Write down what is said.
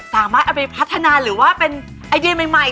สามารถเอาไปพัฒนาหรือว่าเป็นไอเดียใหม่